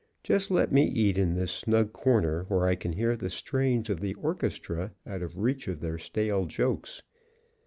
Just let me eat in this snug corner where I can hear the strains of the orchestra, out of reach of their stale jokes.